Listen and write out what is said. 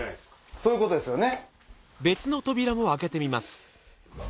そういうことですよね。